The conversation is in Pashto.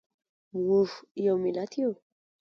موږ یو ملت یو